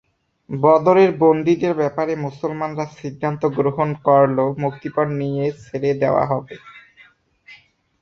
বদরের বন্দীদের ব্যাপারে মুসলমানরা সিদ্ধান্ত গ্রহণ করলো, মুক্তিপণ নিয়ে ছেড়ে দেওয়া হবে।